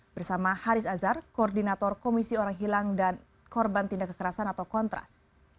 bersama haris azhar koordinator komisi orang hilang dan korban tindak kekerasan atau kontras